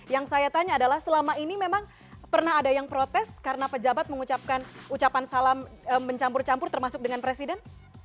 yang saya tanya adalah selama ini memang pernah ada yang protes karena pejabat mengucapkan ucapan salam mencampur campur termasuk dengan presiden